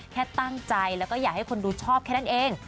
แค่ตั้งใจแล้วก็อยากให้คนดูชอบแค่นั้นเอง